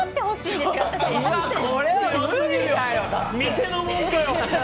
店のもんかよ！